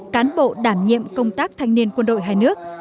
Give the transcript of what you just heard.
cán bộ đảm nhiệm công tác thanh niên quân đội hai nước